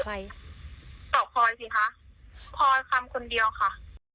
พลอยคำคนเดียวค่ะ